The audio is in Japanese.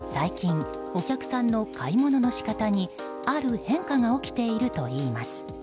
社長に話を聞くと最近、お客さんの買い物のし方にある変化が起きているといいます。